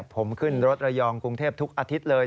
ผมขึ้นรถระยองกรุงเทพทุกอาทิตย์เลย